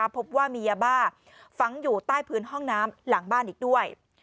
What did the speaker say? พบว่ามียาบ้าฝังอยู่ใต้พื้นห้องน้ำหลังบ้านอีกด้วย